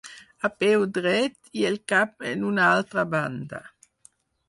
A peu dret i el cap en una altra banda.